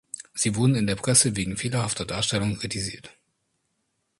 Sie wurden in der Presse wegen fehlerhafter Darstellungen kritisiert.